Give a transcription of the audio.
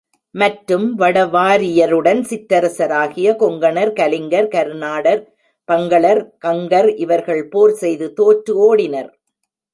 மற்றும் வட வாரியருடன் சிற்றரசராகிய கொங்கணர், கலிங்கர், கருநாடர், பங்களர், கங்கர் இவர்கள் போர் செய்து தோற்று ஓடினர்.